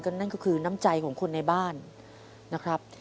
นั่นก็คือน้ำใจของคนในบ้านนะครับ